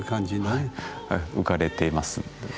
浮かれています。